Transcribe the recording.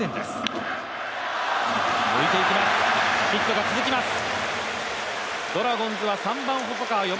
ヒットが続きます！